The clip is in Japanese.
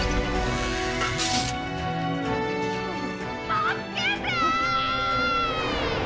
「助けて！」。